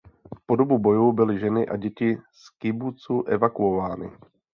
Po dobu bojů byly ženy a děti z kibucu evakuovány.